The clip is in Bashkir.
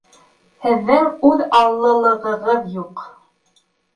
Һеҙҙең үҙаллылығығыҙ юҡ